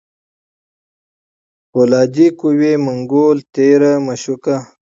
پولادي قوي منګول تېره مشوکه